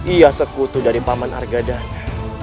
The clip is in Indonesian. ia sekutu dari paman argadana